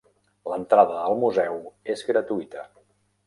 L'entrada al museu és gratuïta.